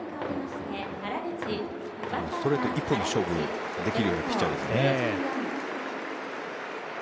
ストレート１本で勝負できるピッチャーですね。